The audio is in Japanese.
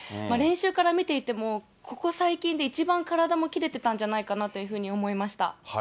練習から見ていても、ここ最近で一番体もきれてたんじゃないかなというふうに思いました。